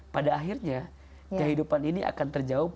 pada akhirnya kehidupan ini akan terjauh